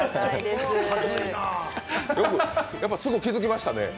やっぱりすぐ気づきましたね。